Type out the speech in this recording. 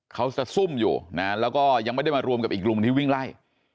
เขาจะซุ่มอยู่นะแล้วก็ยังไม่ได้มารวมกับอีกลุงที่วิ่งไล่